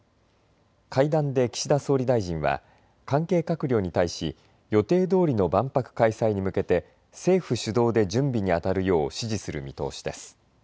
会談で岸田総理大臣は関係閣僚に対し予定どおりの万博開催に向けて政府主導で準備にあたるよう指示する見通しです。